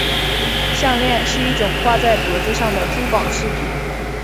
项链是一种挂在脖子上的珠宝饰品。